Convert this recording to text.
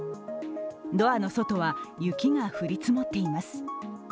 ドアの外は雪が降り積もっています。